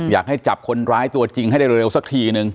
อยากให้จับคนร้ายตัวจริงให้ได้เร็วสักทีนึง